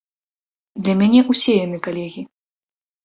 Для мяне ўсе яны калегі.